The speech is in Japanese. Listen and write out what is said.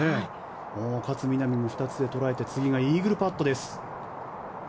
勝みなみも２つで捉えて次がイーグルパットです。